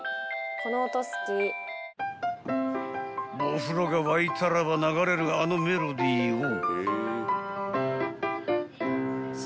［お風呂が沸いたらば流れるあのメロディーを］